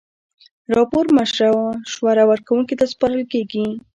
راپور مشوره ورکوونکي ته سپارل کیږي.